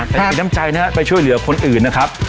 แต่ยังมีน้ำใจนะครับไปช่วยเหลือคนอื่นนะครับ